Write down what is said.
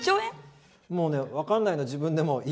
もうね分かんないの自分でも。